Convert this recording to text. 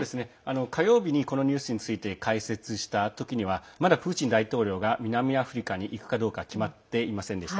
火曜日にこの番組で解説した段階ではまだプーチン大統領が南アフリカに行くかどうか決まっていませんでした。